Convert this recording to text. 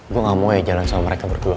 gue gak mau ya jalan sama mereka berdua